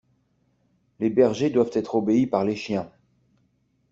Les bergers doivent être obéis par les chiens.